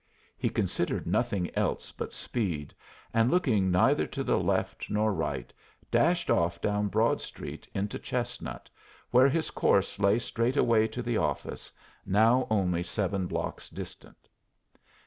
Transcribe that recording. He considered nothing else but speed, and looking neither to the left nor right dashed off down Broad Street into Chestnut, where his course lay straight away to the office, now only seven blocks distant.